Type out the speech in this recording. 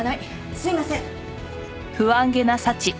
すいません！